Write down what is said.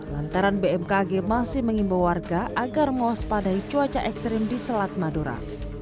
lantaran bmkg masih mengimbau warga agar mewaspadai cuaca ekstrim di selat madura